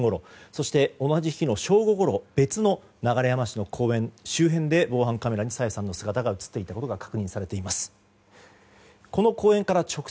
そして同じ日の正午ごろ別の流山市の公園周辺で防犯カメラに朝芽さんの姿が映っていたことが確認されています。